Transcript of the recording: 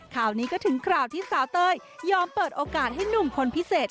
ข่าวนี้ก็ถึงข่าวที่สาวเต้ยยอมเปิดโอกาสให้หนุ่มคนพิเศษ